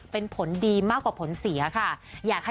เป็นผลดีมากกว่าผลเสียค่ะ